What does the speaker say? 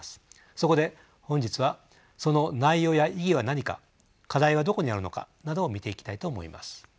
そこで本日はその内容や意義は何か課題はどこにあるのかなどを見ていきたいと思います。